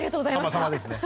さまさまですね。